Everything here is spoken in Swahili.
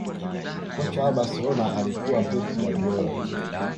kocha wa barcelona alikuwa pep guardiola